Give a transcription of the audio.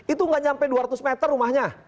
itu nggak nyampe dua ratus meter rumahnya